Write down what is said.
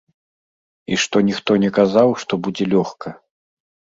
І што ніхто не казаў, што будзе лёгка.